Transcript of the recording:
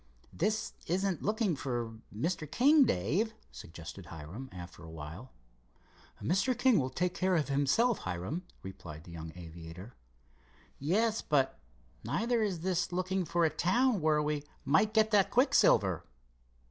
"This isn't looking for Mr. King, Dave," suggested Hiram, after awhile. "Mr. King will take care of himself, Hiram," replied the young aviator. "Yes, but neither is this looking for a town where we might get that quicksilver."